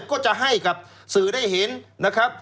ก็จะให้กับสื่อได้เห็นนะครับ